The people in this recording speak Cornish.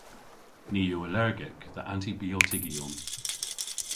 Ni yw allergek dhe antibiotygyon.